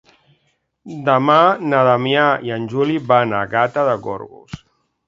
Demà na Damià i en Juli van a Gata de Gorgos.